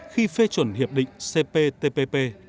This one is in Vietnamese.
khi phê chuẩn hiệp định cptpp